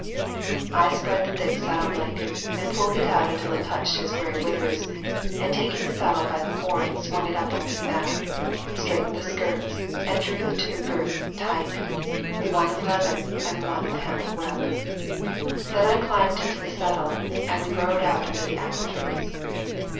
I spread the thick saddle blanket and pulled it out until it touched his grey withers, and taking the saddle by the horn swung it up on his back, straightened the skirts and drew the two girths tight, one of leather and one of hemp web. Then I climbed into the saddle, and we rode out under the apple trees.